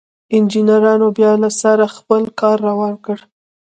انجنيرانو بيا له سره خپل کار روان کړ.